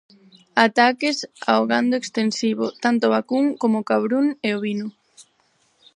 Ataques ao gando extensivo, tanto vacún como cabrún e ovino.